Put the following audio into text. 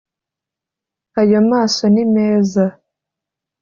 ayo maso ni meza